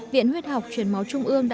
viện huyết học chuyển máu trung ương